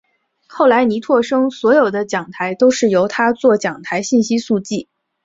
后来倪柝声所有的讲台都是由他作讲台信息速记。